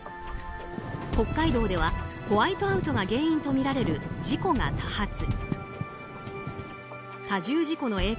北海道ではホワイトアウトが原因とみられる事故が多発。